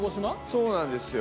そうなんですよ